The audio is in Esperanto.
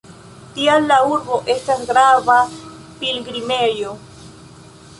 Tial la urbo estas grava pilgrimejo.